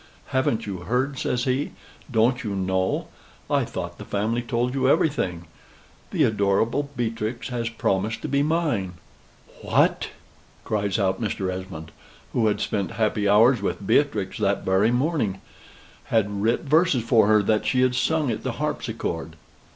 "Haven't you heard?" says he. "Don't you know? I thought the family told you everything: the adorable Beatrix hath promised to be mine." "What!" cries out Mr. Esmond, who had spent happy hours with Beatrix that very morning had writ verses for her, that she had sung at the harpsichord.